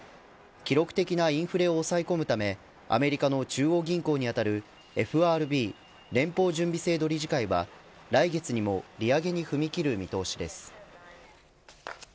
記録的なインフレを抑え込むためアメリカの中央銀行にあたるＦＲＢ連邦準備制度理事会は来月にも利上げに踏み切る見通しです。